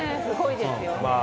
すごいですよね。